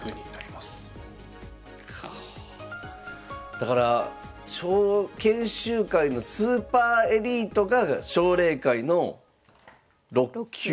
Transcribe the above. だから研修会のスーパーエリートが奨励会の６級。